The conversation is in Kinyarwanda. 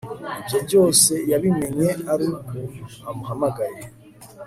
ibyo byose yabimenye aruko amuhamagaye